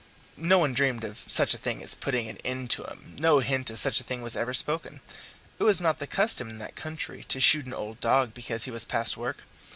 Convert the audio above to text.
No one dreamed of such a thing as putting an end to him no hint of such a thing was ever spoken. It was not the custom in that country to shoot an old dog because he was past work.